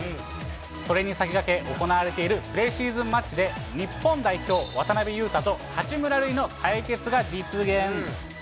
これに先駆け、行われているプレシーズンマッチで、日本代表、渡邊雄太と八村塁の対決が実現。